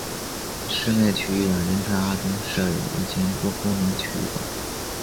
室内体育馆银川二中设有一间多功能体育馆。